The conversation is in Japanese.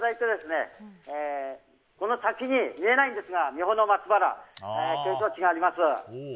この先に、見えないんですが三保松原があります。